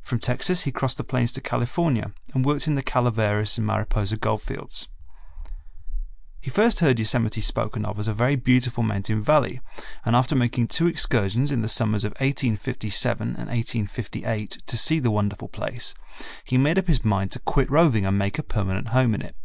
From Texas he crossed the plains to California and worked In the Calaveras and Mariposa gold fields. He first heard Yosemite spoken of as a very beautiful mountain valley and after making two excursions in the summers of 1857 and 1858 to see the wonderful place, he made up his mind to quit roving and make a permanent home in it.